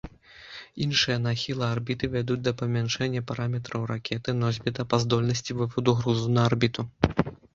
Іншыя нахілы арбіты вядуць да памяншэння параметраў ракеты-носьбіта па здольнасці вываду грузу на арбіту.